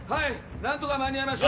なんとか間に合いました。